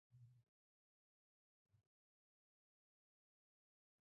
پیاز د پښتو پخلي نه جدا کېدونکی دی